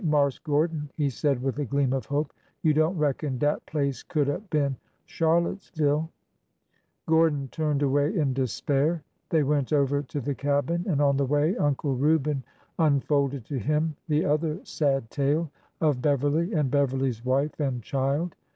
Marse Gordon," he said with a gleam of hope, '' you don't reckon dat place could 'a' been Charlottesville ?" Gordon turned away in despair. They went over to the cabin, and on the way Uncle Reuben unfolded to him the other sad tale, of Beverly and Beverly's wife and child.